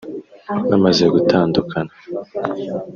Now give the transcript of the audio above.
Bamaze gutandukana